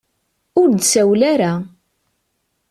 Ur d-tsawel ara.